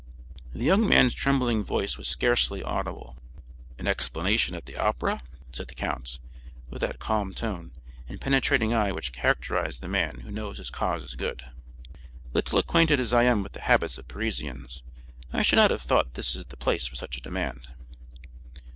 The young man's trembling voice was scarcely audible. "An explanation at the Opera?" said the count, with that calm tone and penetrating eye which characterize the man who knows his cause is good. "Little acquainted as I am with the habits of Parisians, I should not have thought this the place for such a demand."